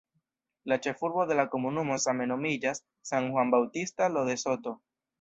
La ĉefurbo de la komunumo same nomiĝas "San Juan Bautista Lo de Soto".